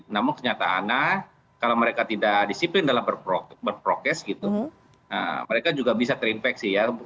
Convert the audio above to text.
namun kenyataannya kalau mereka tidak disiplin dalam berprokes gitu mereka juga bisa terinfeksi ya